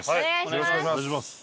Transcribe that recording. よろしくお願いします。